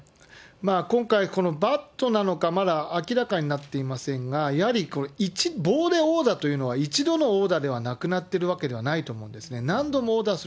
今回、バットなのか、まだ明らかになっていませんが、やはり、棒で殴打というのは、一度の殴打で亡くなってるわけではないと思うんですね。